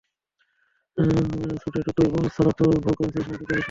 ছোটো্টু, তুই বল তোরা ভুল করেছিস নাকি করিসনি?